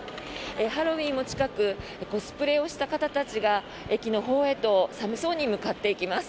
ハロウィーンも近くコスプレをした方たちが駅のほうへと寒そうに向かっていきます。